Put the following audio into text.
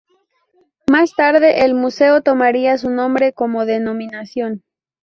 Más tarde, el museo tomaría su nombre cómo denominación.